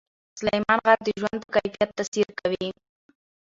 سلیمان غر د ژوند په کیفیت تاثیر کوي.